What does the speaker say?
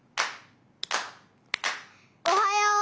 おはよう。